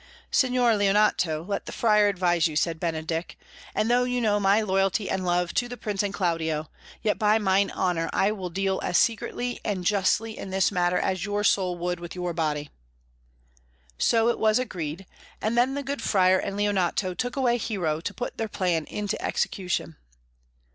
"Signor Leonato, let the Friar advise you," said Benedick. "And though you know my loyalty and love to the Prince and Claudio, yet by mine honour I will deal as secretly and justly in this matter as your soul would with your body." So it was agreed, and then the good Friar and Leonato took away Hero to put their plan into execution.